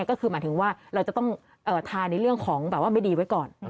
ก็คือหมายถึงว่าเราจะต้องทาในเรื่องของแบบว่าไม่ดีไว้ก่อน